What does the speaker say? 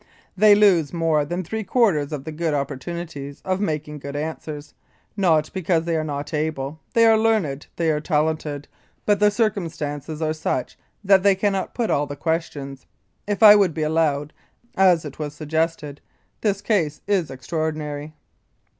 They lose more than three quarters of the good opportunities of making good answers; not because they are not able; they are learned, they are talented, but the circumstances are such that they cannot put all the questions. If I would be allowed, as it was suggested. This case is extraordinary.